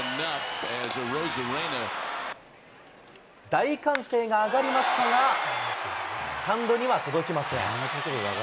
大歓声が上がりましたが、スタンドには届きません。